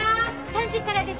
３時からです。